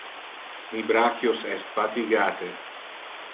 Mi brachios es fatigate.